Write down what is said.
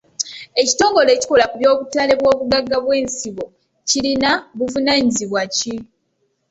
Ekitongole ekikola ku by'obutale bw'obugagga obw'ensibo kirina buvunaanyizibwa ki?